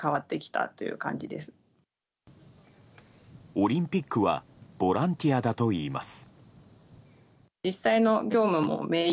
オリンピックはボランティアだといいます。